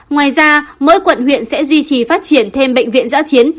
ngoài ra mỗi quận huyện sẽ duy trì phát triển thêm bệnh viện giã chiến